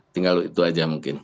tinggal itu aja mungkin